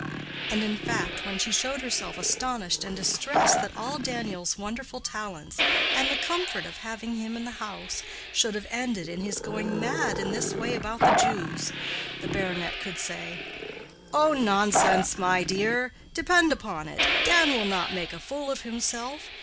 And in fact when she showed herself astonished and distressed that all Daniel's wonderful talents, and the comfort of having him in the house, should have ended in his going mad in this way about the Jews, the baronet could say, "Oh, nonsense, my dear! depend upon it, Dan will not make a fool of himself.